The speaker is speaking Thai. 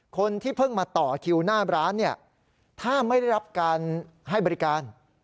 คนที่เพิ่งมาต่อคิวหน้าร้านเนี่ยถ้าไม่ได้รับการให้บริการ